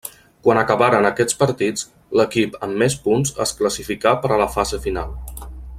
Quan acabaren aquests partits, l'equip amb més punts es classificà per a la fase final.